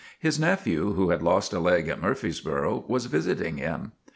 His nephew, who had lost a leg at Murfreesboro, was visiting him.